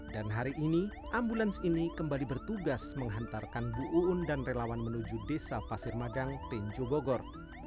dan hari ini ambulans ini kembali bertugas menghantarkan bu uun dan relawan menuju desa pasir madang tenjogogor